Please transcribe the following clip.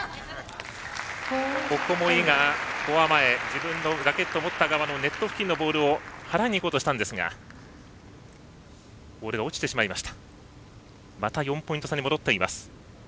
ここも井がフォア前自分のラケットを持った側のネット付近のボールを払いにいこうとしたんですがボールが落ちてしまいました。